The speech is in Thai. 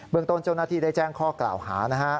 เมืองต้นเจ้าหน้าที่ได้แจ้งข้อกล่าวหานะฮะ